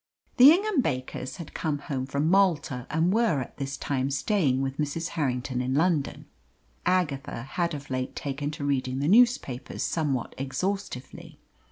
The Ingham Bakers had come home from Malta and were at this time staying with Mrs. Harrington in London. Agatha had of late taken to reading the newspapers somewhat exhaustively.